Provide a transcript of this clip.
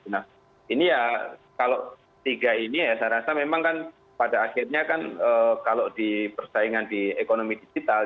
nah ini ya kalau tiga ini ya saya rasa memang kan pada akhirnya kan kalau di persaingan di ekonomi digital